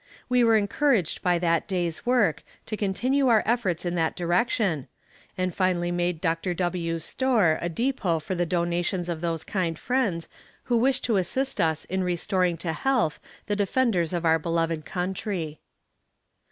We were encouraged by that day's work, to continue our efforts in that direction, and finally made Dr. W.'s store a depot for the donations of those kind friends who wished to assist us in restoring to health the defenders of our beloved country.